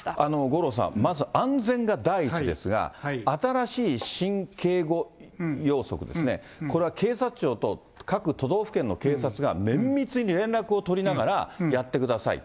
五郎さん、まず安全が第一ですが、新しい新・警護要則ですね、これは警察庁と各都道府県の警察が綿密に連絡を取りながらやってください。